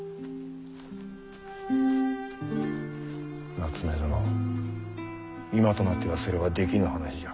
夏目殿今となってはそれはできぬ話じゃ。